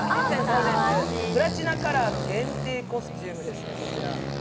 プラチナカラーの限定コスチュームですね。